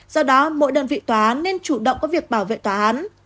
do đó mỗi đơn vị tòa án nên chủ động có việc bảo vệ tòa án